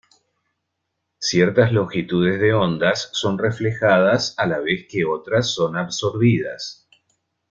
Ciertas longitudes de ondas son reflejadas a la vez que otras son absorbidas.